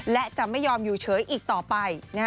และจะไม่ยอมอยู่เฉยอีกต่อไป